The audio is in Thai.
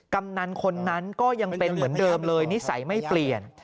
กำนันคนนั้นก็ยังเป็นเหมือนเดิมเลยนิสัยไม่เปลี่ยน